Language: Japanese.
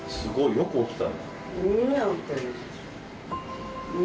よく起きた。